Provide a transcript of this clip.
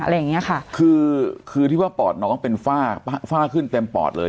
อะไรอย่างเงี้ยค่ะคือคือที่ว่าปอดน้องเป็นฝ้าฝ้าขึ้นเต็มปอดเลย